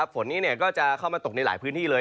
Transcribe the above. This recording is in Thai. ฝนนี้ก็จะเข้ามาตกในหลายพื้นที่เลย